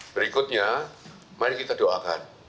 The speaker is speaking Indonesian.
berikutnya mari kita doakan